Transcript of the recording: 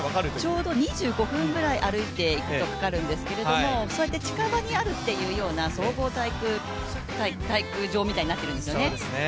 ちょうど２５分くらい、歩いていくとかかるんですけれどもそうやって近場にあるというような総合体育場みたいになってるんですよね。